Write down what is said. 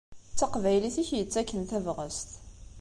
D taqbaylit i k-yettaken tabɣest.